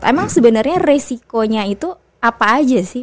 emang sebenarnya resikonya itu apa aja sih